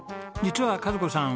実は和子さん